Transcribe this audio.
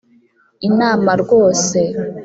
inama rwose